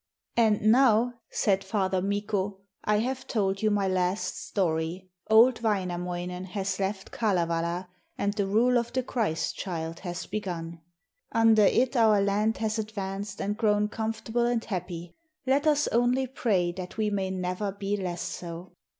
'And now,' said Father Mikko, 'I have told you my last story old Wainamoinen has left Kalevala and the rule of the Christ child has begun. Under it our land has advanced and grown comfortable and happy let us only pray that we may never be less so.'